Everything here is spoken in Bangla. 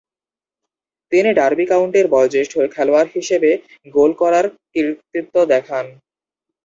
তিনি ডার্বি কাউন্টির বয়োজ্যেষ্ঠ খেলোয়াড় হিসেবে গোল করার কৃতিত্ব দেখান।